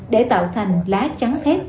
để tạo thành lá trắng thép